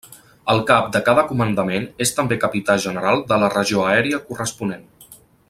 El cap de cada comandament és també capità general de la regió aèria corresponent.